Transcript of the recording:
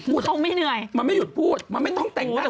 อะไรมาไม่หยุดพูดมาไม่ต้องแต่งกัน